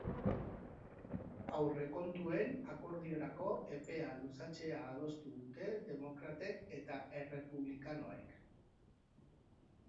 Aurrekontuen akordiorako epea luzatzea adostu dute demokratek eta errepublikanoek.